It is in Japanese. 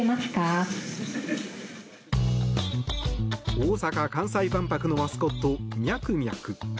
大阪・関西万博のマスコットミャクミャク。